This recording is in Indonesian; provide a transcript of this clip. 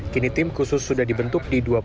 kini tim khusus sudah dibenarkan